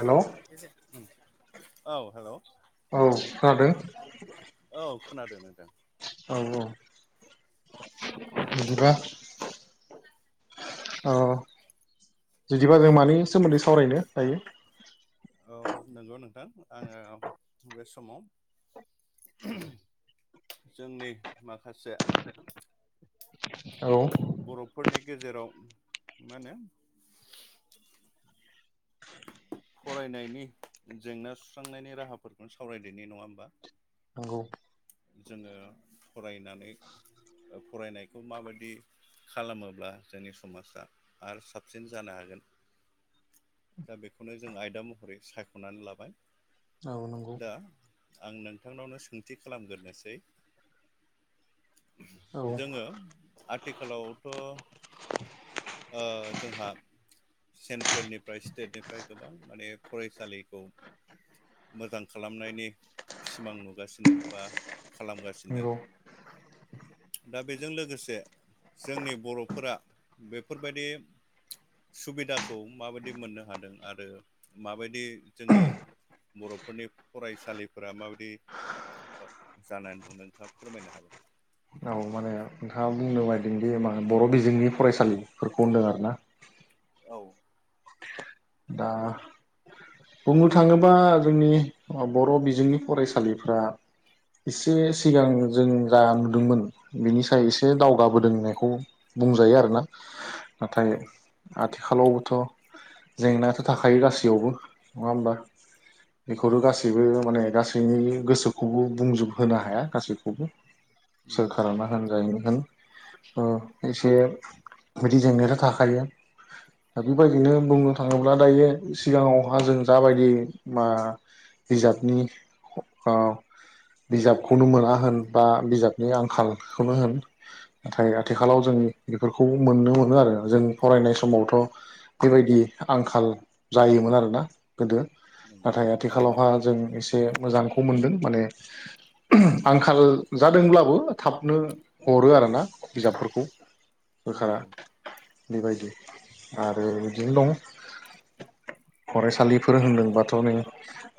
Hello औ hello औ खोनादों औ खोनादों नोंथां औ औ बिदिबा [inaudible] अ बिदिबा जों मानि सोमोन्दै सावरायनो दायो। औ नंगौ नोंथां आङो बे समाव जोंनि माखासे। औ। बर'फोरनि गेजेराव मा होनो। फरायनायनि जेंना सुस्रांनायनि राहाफोरखौनो सावरायदेरनाय नङा होमबा। नंगौ। जोङो फरायनानै ओ फरायनायखौ माबायदि। खालामोब्ला जोंनि समाजा आरो साबसिन जानो हागोन। दा बेखौनो जों आयदा महरै सायख'नानै लाबाय। औ नंगौ दा आं नोंथांनावनो सोंथि खालामग्रोनोसै। औ जोङो आथिखालावथ'। ओ जोंहा सेन्ट्रेलनिफ्राय स्टेटनिफ्राय गोबां माने फरायसालिखौ। मोजां खालामनायनि सिमां नुगासिनो बा खालामगासिनो। नंगौ दा बेजों लोगोसे। जोंनि बर'फोरा बेफोरबायदि। सुबिदाखौ माबायदि मोननो हादों आरो माबायदि जोंनि। बर'फोरनि फरायसालिफोरा माबायदि। जानानै दं नोंथाङा फोरमायनो औ हागोन। माने नोंथाङा बुंनो बायदोंदि मा बर' बिजोंनि फरायसालिफोरखौ होनदों आर ना। औ। दा। बुंनो थाङोबा जोंनि बर' बिजोंनि फरायसालिफ्रा। एसे सिगां जों जा नुदोंमोन बेनि स एसे दावगाबोदों होननायखौ। बुंजायो आरोना औ नाथाय आथिखालावबोथ'। जेंनायाथ' थाखायो गासैयावबो नङा होमबा बेखौ गासैबो माने गासैनि गोसोखौबो बुंजोब होनोनो हाया गासैखौबो। [inaudible] सोरखाराना। होन जाय होन अ एसे बिदि जेंनायाथ' थाखायो। दा बेबायदिनो बुंनो थाङोब्ला दायो सिगाङावहा जों जाबायदि मा। बिजाबनि आ बिजाबखौनो मोना होन बा बिजाबनि आंखालखौनो होन। नाथाय नंगौ आथिखालाव जों बेफोरखौ मोननो मोनो आरो जों फरायनाय समावथ' बेबायदि। आंखाल जायोमोन आरोना गोदो नंगौ नाथाय थारैनो आथिखालावहा जों एसे से मोजांखौ मोनदों माने आंखाल जादोंब्लाबो थाबनो। हरो आरोना बिजाबफोरखौ। सोरखारा नंगौ बेबायदि आरो बिदिनो दं। फरायसालिफोर होनदोंबाथ' नै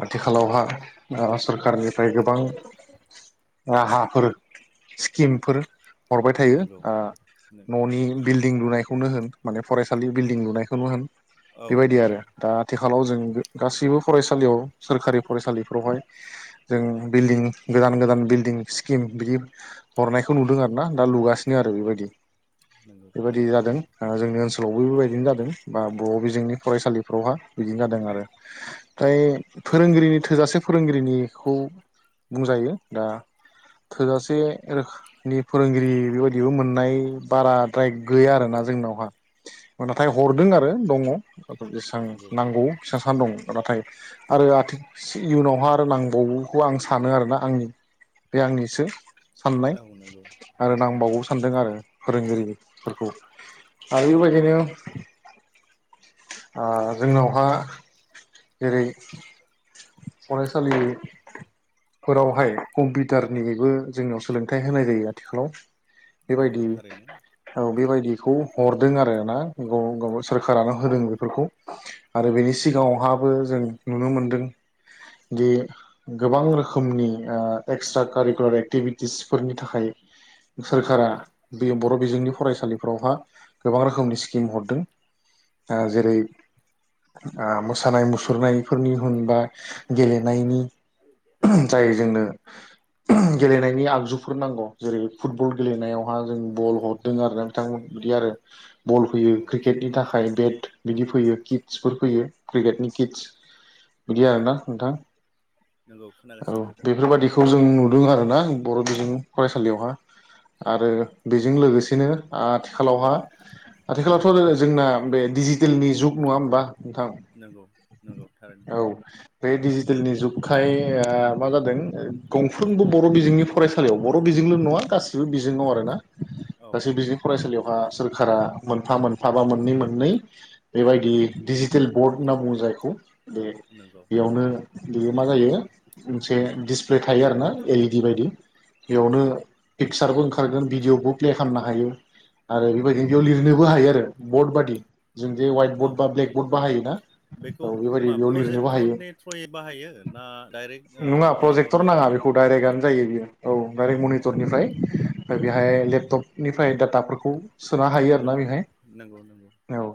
आथिखालावहा। आ सरखारनिफ्राय गोबां राहाफोर स्किमफोर हरबाय थायो नंगौ ओ न'नि बिल्डिं लुनायखौनो होन माने फरायसालि बिल्डिं लुनायखौनो होन औ बेबायदि आरो नंगौ दा आथिखालाव जों गासैबो फरायसालियाव सोरखारि फरायसालिफोरावहाय जों बिल्डिं गोदान गोदान बिल्डिं स्किम बियो हरनायखौ नुदों आरो ना दा लुगासिनो आरो बेबायदि। नंगौ बेबादि थारैनो जादों आ जोंनि ओनसोलावबो बेबायदिनो जादों बा बर' बिजोंनि फरायसालिफ्रावहा बिदिनो जादों आरो। फ्राय फोरोंगिरिनि थोजासे फोरोंगिरिनिखौ बुंजायो दा थोजासे रोखो नि फोरोंगिरि बेबायदिबो मोननाय बाराद्राय गैया आरोना जोंनावहा नाथाय हरदों आरो दङ जेसां नंगौ नांगौ बेसांसां दं नाथाय आरो आथि इयुनावहा आरो नांबावगौखौ आं सानो आरोना आंनि बे आंनिसो साननाय औ नंगौ आरो नंगौ नांबावगौ सानदों आरो फोरोंगिरिफोरखौ आरो इबायदिनो ओ जोंनावहा जेरै फरायसालि फोरावहाय कम्पिउटारनिबो जोंनाव सोलोंथाइ होनाय जायो आथिखालाव नंगौ बेबायदि थारैनो औ बेबायदिखौ हरदों आरोना गुबुं गुबुन सोरखारानो होदों बेफोरखौ आरो बेनि सिगाङावहा बो जों नुनो मोनदों दि गोबां रोखोमनि ओ एक्सट्रा कारिकुलार एक्टिभिटिसफोरनि थाखाय नंगौ सोरखारा बे बर' बिजोंनि फरायसालिफोरावहा गोबां रोखोमनि स्किम हरदों। ओ जेरै ओ मो सानाय मुसुरनायफोरनि होनबा गेलेनायनि नंगौ जाय जोंनो गेलेनायनि आगजुफोर नांगौ जेरै फुटबल गेलेनायावहा जों बल हरदों आरोना थां बिदि आरो बल फैयो औ क्रिकेटनि थाखाय बेट बिदि फैयो किट्सफोर फैयो। क्रिकेटनि किट्स बिदि आरोना नोंथां नंगौ औ खोनागासिनो नोंथां बेफोरबादि खौ जों नुदों आरोना बर' बिजों फरायसालियावहा। आरो बेजों लोगोसेनो आथिखालावहा आथिखालावथ' जो जोंना बे डिजिटेलनि जुग नङा होमबा नोंथां? नोंगौ नोंगौ थारैनो। औ बे डेजिटेलनि जुगखाय ओ मा जादों गंफ्रोमबो बर' बिजोंनि फरायसालियाव बर' बिजोंल' नङा गासिबो बिजों दं आरोना औ गासैबो नंगौ बिजों फरायसालियाव ओ सोरखारा मोनफा मोनफा बा मोननै मोननै बेबायदि डिजिटेल बर्ड होनना बुङो जायखौ बे नोंगौ बेयावनो बियो मा जायो मोनसे दिसप्ले थायो आरोना एलइडि बायदि इयावनो पिकसारबो ओंखारगोन भिडिअबो प्ले खामनो हायो। आरो बिबायदिनो नंगौ बेयाव लिरनोबो हायो आरो बर्ड बादि जों जे हवाइट औ बर्ड बा औ ब्लेक बर्ड बाहायो ना। बेखौ मा प्रजेक्टथ्रननि थ्रयै बाहायो ना डाइरेक्ट ओ नङा प्रजेक्टर मनिटरनि नाङा थ्रयैनो बेखौ डाइरेक्टगानो जायो बियो औ डाइरेक्ट औ मनिटरनिफ्राय ओमफ्राय बेहाय लेपटपनिफ्राय डाटाफोरखौ सोना हायो आरोना नंगौ बेहाय। नंगौ नंगौ औ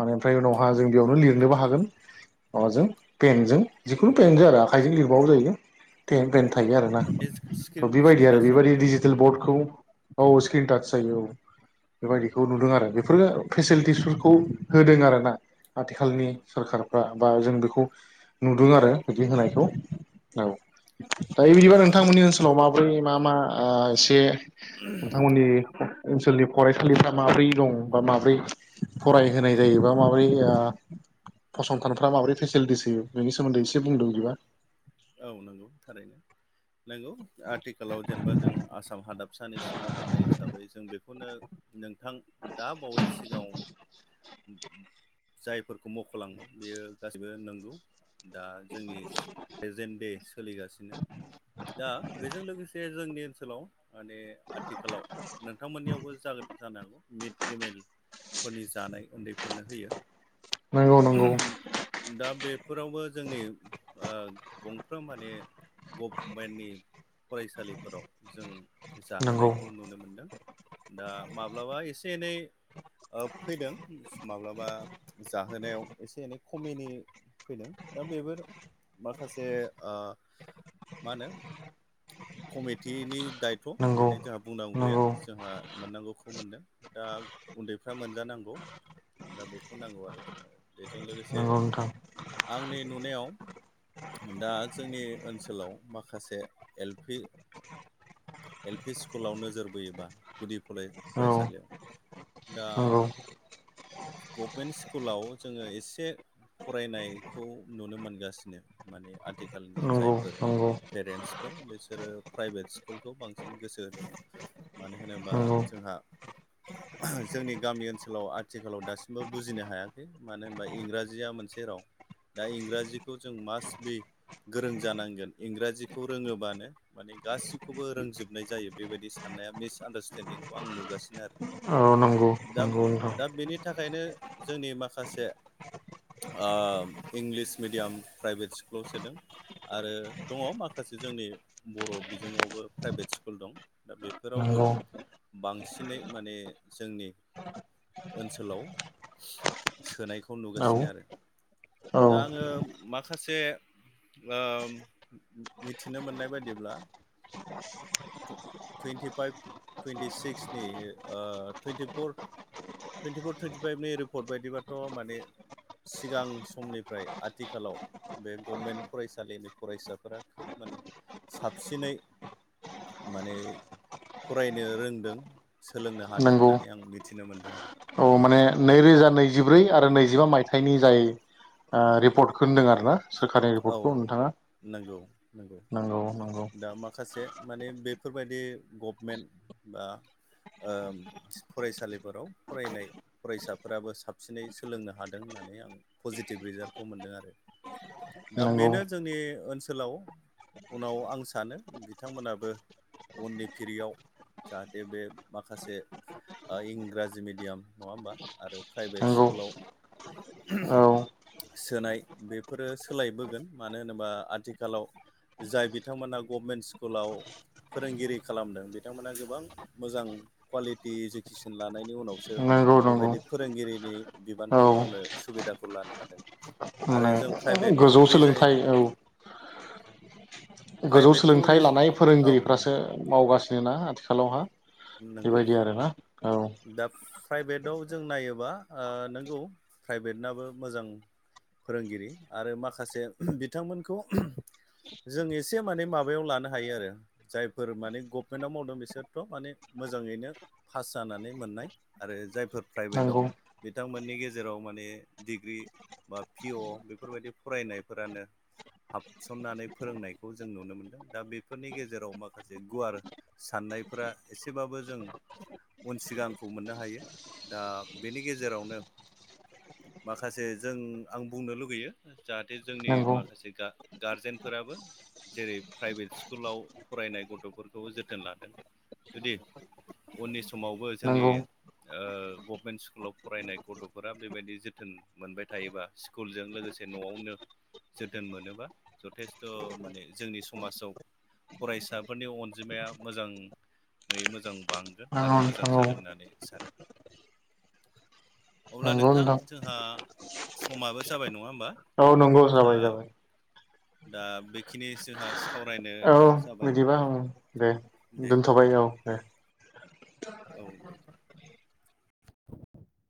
माने ओमफ्राय उनावहा जों बेयावनो लिरनोबो हागोन। माबाजों पेनजों जिखुनु पेनजों आरो आखाइजों लिरबाबो जायो। टें पेन थायो आरोना बे स्क्रिन थ' स्क्रिन बेबायदि आरो टाच बेबायदि आरोना डिजि टेल बर्डखौ औ स्क्रिन टाच जायो औ। बेबायदिखौ नुदों आरो बेफोरो फेसिलिटिसफोरखौ होदों आरोना। आथिखालनि नंगौ सोरखारफ्रा बा जों बेखौ नुदों आरो बिदि होनायखौ। औ दायो दा बिदिबा नोंथांमोननि ओनसोलाव माब्रै मा मा ओ एसे नोंथांमोननि ओनसोलनि फरायसालिफ्रा माब्रै दं बा माब्रै फरायहोनाय जायोबा माबोरै ओ फसंथानफ्रा माबोरै फेसिलिटिस होयो बेनि सोमोन्दै एसे बुंदों बिदिबा औ नोंगौ थारैनो नोंगौ। आथिखालाव जेनेबा जों आसाम हादाब फिसानि सिङाव थानाय हिसाबै जों बेखौनो नोंथां दा बावै सिगांआव उम जायफोरखौ मख'लांबाय बेयो गासैबो नोंगौ दा जोंनि जेन दे सोलिगासिनो दा बेजों लोगोसे जोंनि ओनसोलाव माने आथिखालाव नोंथांमोननियावबो जागोन जानो हागौ मिड दे मिल फोरनि जानाय उन्दैफोरनो होयो। नंगौ नंगौ दा बेफोरावबो जोंनि ओ गंफ्रोम माने गभमेन्टनि फरायसालिफोराव जों नंगौ जाहोनायखौ नुनो मोनदों दा माब्लाबा एसे एनै फैदों माब्लाबा जाहोनायाव एसे एनै खमिनि फैदों दा बेबो माखासे ओ मा होनो कमिटिनि - दायथ' नंगौ बेहाय जोंहा बुंनांगौ गैया। नंगौ जोंहा मोननांगौखौ मोनदों दा उन्दैफ्रा मोनजानांगौ दा बेखौ नांगौ आरोखि बेजों लोगोसे नंगौ नोंथां आंनि नुनायाव दा जोंनि ओनसोलाव माखासे एल पि एल पि स्कुलाव नोजोर बोयोबा गुदि औ फरायसालियाव दा नंगौ गभमेन्ट स्कुलाव जोङो एसे फरायनायखौ नुनो मोनगासिनो माने आथिखालनि नंगौ जायफोर नंगौ पेरेन्टसफोर बिसोरो प्राइभेट स्कुलखौ बांसिन गोसो होदों। मानो होनोबा नंगौ जोंहा जोंनि गामि ओनसोलाव आथिखालाव दासिमबो बुजिनो हायाखै मानो होनबा इंराजिया मोनसे राव। दा इंराजिखौ जों मास्ट बि गोरों जानांगोन इंराजिखौ रोङोबानो माने गासिखौबो रोंजोबनाय जायो बेबायदि साननाया मिस आडारस्टेन्डिंखौ आं नुगासिनो आरो। औ। नंगौ दा नंगौ नोंथां दा बेनि थाखायनो जोंनि माखासे ओ इंलिस मिडियाम प्राइभेट स्कुलाव सोदों। आरो दङ माखासे जोंनि बर' बिजोंआवबो प्राइभेट स्कुल दं। दा बेफोरावबो नंगौ बांसिनै माने जोंनि ओनसोलाव सोनायखौ औ नुगासिनो आरो। औ दा आङो माखासे ओ मिथिनो मोननाय बायदिब्ला [inaudible] टुइन्टिफाइभ टुइन्टि सिक्सनि दे ओ टुइन्टिफर टुइन्टिफर टुइन्टिफाइभ रिपर् बदिबाथ' माने सिगां समनिफ्राय आथिखालाव बे गभमेन्ट फरायसालिनि फरायसाफोरा खोब माने साबसिनै माने फरायनो रोंदों सोलोंनो हादों नंगौ होननानै आं मिथिनो मोनदों आरो। औ माने नैरोजा नैजिब्रै आरो नैजिबा मायथाइनि जाय रिपर्टखौ होनदों आरो। जबा सोरकनि औ रिपर्टखौ नोंथाङा नंगौ नंगौ नांगौ नांगौ। दा माखासे माने बेफोरबायदि गभमेन्ट बा ओ फरायसालिफोराव फरायनाय फरायसाफोराबो साबसिनै सोलोंनो हादों होननानै आं पजिटिभ रिजाल्टखौ मोनदों आरो। दा नंगौ बेनो जोंनि ओनसोलाव उनाव आं सानो बिथांमोनाबो उननि फिरियाव जाहाथे बे माखासे इंराजि मिडियाम नङा होमबा आरो प्राइभेट नंगौ स्कुलाव औ सोनाय बेफोरो सोलायबोगोन मानो होनोबा आथिखालाव जाय बिथांमोना गभमेन्ट स्कुलाव फोरोंगिरि खालामदों बिथांमोना गोबां मोजां कुवालिटि इडुकेसन लानायनि उनावसो नंगौ नंगौ बेबायदि फोरोंगिरिनि औ बिबानखौ मावनो सुबिदाखौ लानो हादों। आरो माने जों प्राइभेटखौ गोजौ ओरैजायो। सोलोंथाइ औ गोजौ प्राइभेटखौ सोलोंथाइ रिज लानाय औ फोरोंगिरिफ्रासो मावगासिनो ना आथिखालावहा। नंगौ। बेबायदि आरोना औ [inaudible] दा प्राइभेटाव जों नायोबा ओ नंगौ प्राइभेटनाबो मोजां। फोरोंगिरि आरो माखासे उम बिथांमोनखौ उम जों एसे माने माबायाव लानो हायो आरो जायफोर माने गभमेन्टआव मावदों बिसोरथ' माने मोजाङैनो पास जानानै मोननाय आरो जायफोर प्राइभेटाव नंगौ बिथांमोननि गेजेराव माने डिग्रि बा पिअ बेफोरबायदि फरायनायफोरानो हाबसननानै फोरोंनायखौ जों नुनो मोनदों दा बेफोरनि गेजेराव माखासे गुवार साननायफोरा एसेबाबो जों उन सिगांखौ मोननो हायो दा बेनि गेजेरावनो माखासे जों आं बुंनो लुगैयो जाहाथे जोंनि नंगौ माखासे गा गारजेनफोराबो जेरै प्राइभेट स्कुलाव फरायनाय गथ'फोरखौ जोथोन लादों। जुदि उननि समावबो जोंनि नंगौ ओ गभमेन्ट स्कुलाव फरायनाय गथ'फोरा बेबायदि जोथोन मोनबाय थायोबा स्कुलजों लोगोसे न'आवनो जोथोन मोनोबा जथेस्थ' माने जोंनि समाजाव फरायसाफोरनि अनजिमाया मोजां मोजाङै मोजां बांगोन नंगौ आरो मोजां नोंथां औ जागोन होननानै सानो। अब्ला नोंथां जोंहा समाबो जाबाय नङा होमबा? औ नंगौ दा जाबाय जाबाय। दा बैखिनि जोंहा सावरायनो औ जाबाय। बिदिबा ओं दे दे दोनथ'बाय औ दे। औ दे दे।